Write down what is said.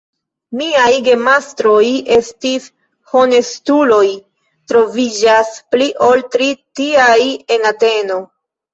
Miaj gemastroj estis honestuloj; troviĝas pli ol tri tiaj en Ateno.